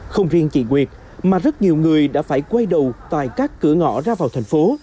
không riêng chị nguyệt mà rất nhiều người đã phải quay đầu tại các cửa ngõ ra vào thành phố